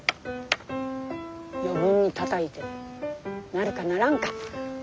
余分にたたいてなるかならんか？